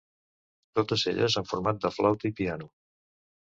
Totes elles en format de flauta i piano.